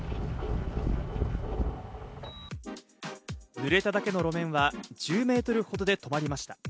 濡れただけの路面は１０メートルほどで止まりました。